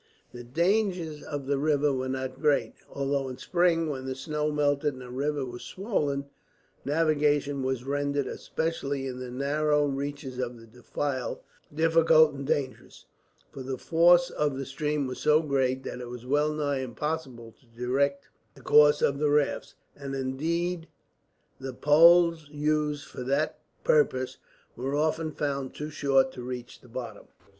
The dangers of the river were not great; although in spring, when the snow melted and the river was swollen, navigation was rendered, especially in the narrow reaches of the defile, difficult and dangerous; for the force of the stream was so great that it was well nigh impossible to direct the course of the rafts, and indeed the poles used for that purpose were often found too short to reach the bottom.